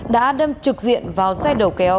đã đâm trực diện vào xe đầu kéo